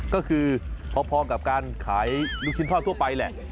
ก็คือพอกับการขายลูกชิ้นทอดทั่วไปแหละ